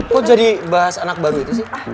kok jadi bahas anak baru itu sih